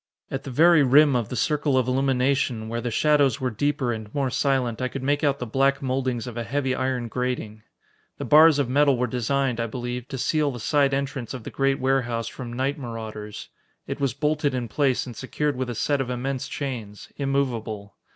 At the very rim of the circle of illumination, where the shadows were deeper and more silent, I could make out the black mouldings of a heavy iron grating. The bars of metal were designed, I believe, to seal the side entrance of the great warehouse from night marauders. It was bolted in place and secured with a set of immense chains, immovable.